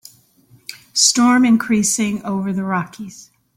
Storm increasing over the Rockies.